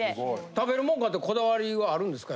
食べるもんかてこだわりはあるんですか？